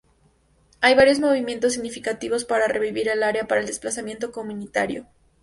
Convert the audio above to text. Hay varios movimientos significativos para revivir el área para el desplazamiento comunitario.